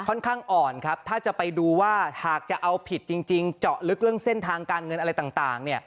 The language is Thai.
ข้างอ่อนครับถ้าจะไปดูว่าหากจะเอาผิดจริงเจาะลึกเรื่องเส้นทางการเงินอะไรต่าง